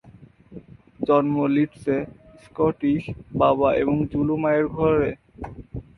জন্ম লিডসে স্কটিশ বাবা এবং জুলু মায়ের ঘরে।